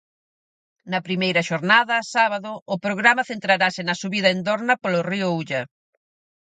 Na primeira xornada, sábado, o programa centrarase na subida en dorna polo río Ulla.